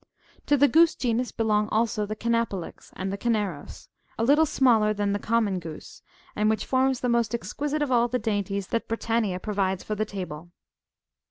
To the goose genus belong also the chenalopex,^^ and the cheneros,^ a little smaller than the common goose, and which forms the most exquisite of all the dainties that Britannia pro vides for the table.